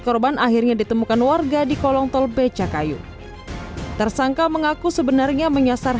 korban akhirnya ditemukan warga di kolong tol becakayu tersangka mengaku sebenarnya menyasar